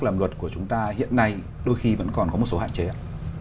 làm luật của chúng ta hiện nay đôi khi vẫn còn có một số hạn chế ạ